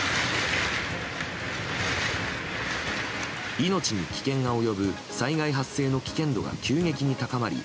命に危険が及ぶ災害発生の危険度が急激に高まり